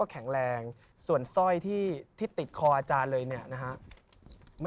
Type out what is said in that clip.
พระพุทธพิบูรณ์ท่านาภิรม